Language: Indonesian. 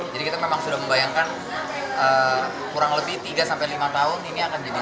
jadi kita memang sudah membayangkan kurang lebih tiga sampai lima tahun ini akan jadi seperti apa